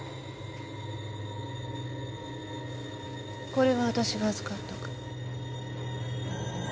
これは私が預かっとく。